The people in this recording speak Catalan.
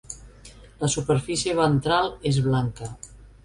La superfície ventral és blanca.